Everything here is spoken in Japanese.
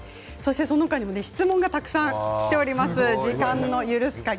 その他にも質問がたくさんきています。